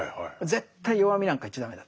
絶対弱みなんか言っちゃ駄目だと。